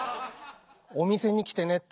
お店に来てねって。